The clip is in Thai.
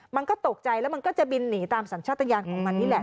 มันก็ตกใจแล้วมันก็จะบินหนีตามสัญชาติยานของมันนี่แหละ